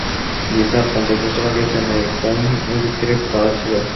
জী স্যার পঞ্চাশ বছর আগে চেন্নাইয়ের কুওম নদীর তীরে কারা ছিলো?